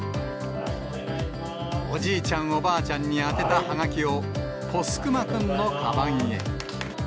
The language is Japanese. おじいちゃん、おばあちゃんに宛てたはがきを、ぽすくまくんのかばんへ。